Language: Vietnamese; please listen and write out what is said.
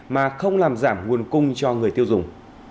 mà không làm giảm nguồn cung cho người tiêu dùng